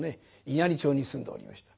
稲荷町に住んでおりました。